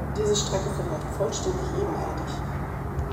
Diese Strecke verläuft vollständig ebenerdig.